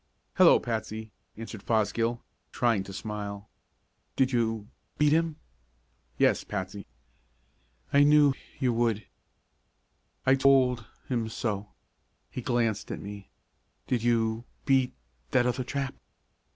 "Hello, Patsy!" answered Fosgill, trying to smile. "Did you beat him?" "Yes, Patsy." "I knew you would. I told him so." He glanced at me: "Did you beat that other chap?"